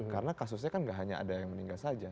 karena kasusnya kan tidak hanya ada yang meninggal saja